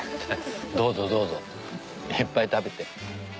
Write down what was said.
どうぞどうぞいっぱい食べて。